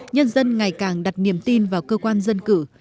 nhân dân ngày càng đặt niềm tin vào cơ quan dân cử